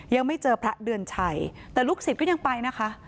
ยังไม่เจอพระเดือนชัยแต่ลูกศิษย์ก็ยังไปนะคะ